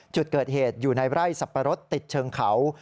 จุดเกิดเหตุอยู่ในไร่สับปะรดติดเชิงเขา